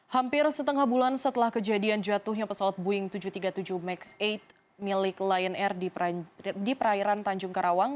hampir setengah bulan setelah kejadian jatuhnya pesawat boeing tujuh ratus tiga puluh tujuh max delapan milik lion air di perairan tanjung karawang